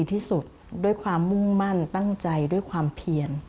ที่สุดด้วยความมุ่งมั่นตั้งใจด้วยความเพียน